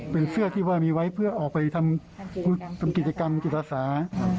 เป็นเสื้อที่ว่ามีไว้เพื่อออกไปทำกิจกรรมจิตอาสา